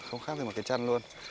không khác gì mà cái chân luôn